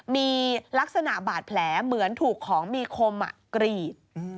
มีลักษณะบาดแผลเหมือนถูกของมีคมกรีด